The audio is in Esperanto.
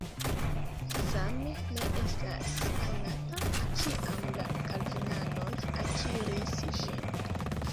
Same ne estas konata, kiam la kalvinanoj akiris ĝin.